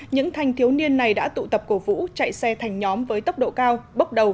những thanh thiếu niên này đã tụ tập cổ vũ chạy xe thành nhóm với tốc độ cao bốc đầu